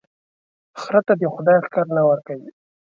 خره ته دي خداى ښکر نه ور کوي،